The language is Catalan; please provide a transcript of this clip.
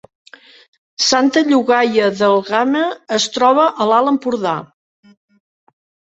Santa Llogaia d’Àlguema es troba a l’Alt Empordà